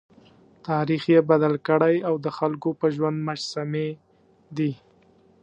تاریخ یې بدل کړی او د خلکو په ژوند مجسمې دي.